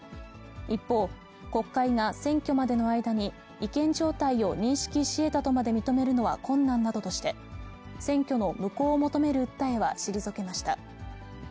一方、国会が選挙までの間に違憲状態を認識しえたとまで認めるのは困難などとして、選挙の無効を求める訴えは退けました。